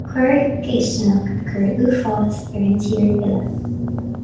Coir dhéistineach a chuir uafás ar an tír uile